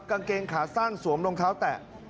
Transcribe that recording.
กางเกงขาสั้นสวมรองเท้าแตะ